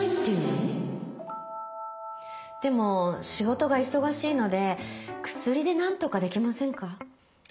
でも仕事が忙しいので薬でなんとかできませんか？